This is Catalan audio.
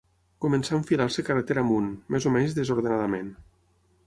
Començà a enfilar-se carretera amunt, més o menys desordenadament.